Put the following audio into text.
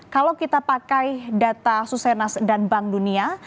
kalau kita pakai data susenas dan bank dunia